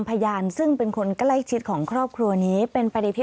ฟังเสียงลูกจ้างรัฐตรเนธค่ะ